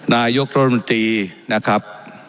นายกรัฐมนตรีนะครับ